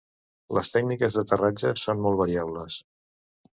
Les tècniques d'aterratge són molt variables.